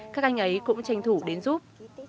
các anh ấy cũng tranh thủ đến giúp